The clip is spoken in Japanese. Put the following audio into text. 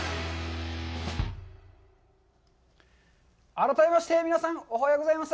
改めまして皆さん、おはようございます。